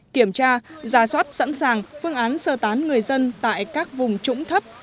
kiểm tra giả soát sẵn sàng phương án sơ tán người dân tại các vùng trũng thấp